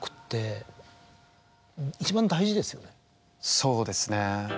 そうですね。